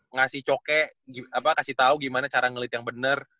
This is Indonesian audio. ngasih coke kasih tau gimana cara ngelit yang bener